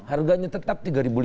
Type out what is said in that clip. harganya tetap rp tiga lima ratus